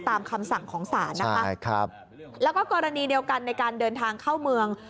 คำสั่งของศาลนะคะใช่ครับแล้วก็กรณีเดียวกันในการเดินทางเข้าเมือง